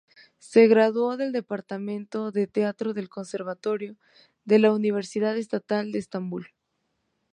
Se graduó del departamento de teatro del Conservatorio de la Universidad Estatal de Estambul.